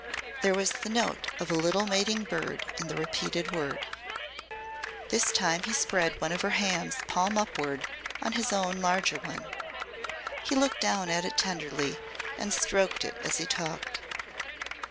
There was the note of a little mating bird in the repeated word. This time he spread one of her hands palm upward on his own larger one. He looked down at it tenderly and stroked it as he talked.